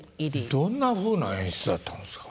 どんなふうな演出やったんですか？